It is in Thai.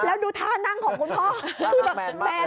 แล้วดูท่านั่งของคุณพ่อแมนมาก